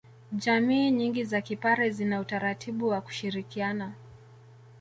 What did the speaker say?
Jamii nyingi za kipare zina utaratibu wa kushirikiana